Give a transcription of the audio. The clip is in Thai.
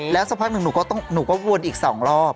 แล้วสักพักหนึ่งหนูก็วนอีก๒รอบ